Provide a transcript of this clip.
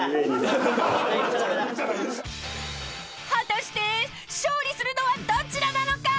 ［果たして勝利するのはどちらなのか］